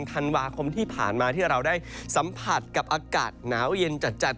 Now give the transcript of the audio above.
ธันวาคมที่ผ่านมาที่เราได้สัมผัสกับอากาศหนาวเย็นจัด